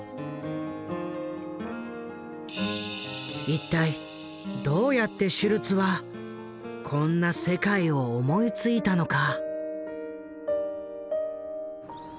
一体どうやってシュルツはこんな世界を思いついたのか？